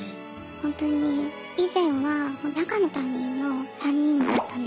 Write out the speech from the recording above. ほんとに以前は赤の他人の３人だったんですね。